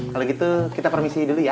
kalau gitu kita permisi dulu ya